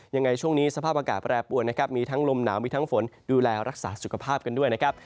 ยังไงช่วงนี้สภาพอากาศแปรปวนนะครับมีทั้งลมหนาวมีทั้งฝนดูแลรักษาสุขภาพกันด้วยนะครับ